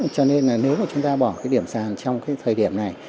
cho nên là nếu mà chúng ta bỏ cái điểm sàn trong cái thời điểm này